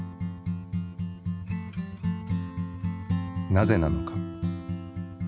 なぜなのか？